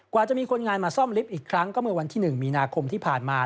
กว่าจะมีคนงานมาซ่อมลิฟต์อีกครั้งก็เมื่อวันที่๑มีนาคมที่ผ่านมา